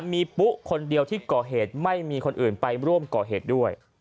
มีปุ๊คนเดียวที่ก่อเหตุไม่มีคนอื่นไปร่วมก่อเหตุด้วย